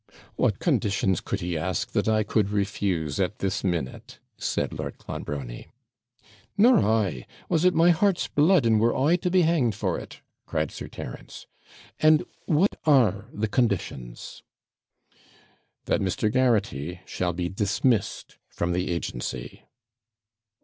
'What conditions could he ask that I could refuse at this minute?' said Lord Clonbrony. 'Nor I was it my heart's blood, and were I to be hanged for it,' cried Sir Terence. 'And what are the conditions?' 'That Mr. Garraghty shall be dismissed from the agency.'